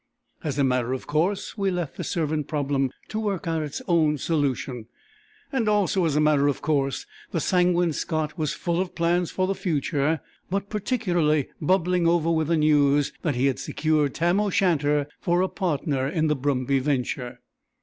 As a matter of course, we left the servant problem to work out its own solution, and, also as a matter of course, the Sanguine Scot was full of plans for the future but particularly bubbling over with the news that he had secured Tam o' Shanter for a partner in the brumby venture.